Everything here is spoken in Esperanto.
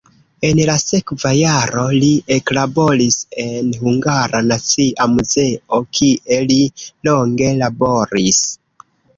En la sekva jaro li eklaboris en Hungara Nacia Muzeo, kie li longe laboris.